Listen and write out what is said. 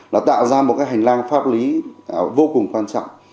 nó tạo ra một cái hành lang pháp lý vô cùng quan trọng